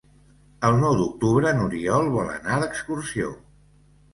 El nou d'octubre n'Oriol vol anar d'excursió.